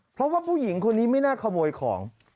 เพราะว่าผู้หญิงคนนี้ไม่น่าขโมยของ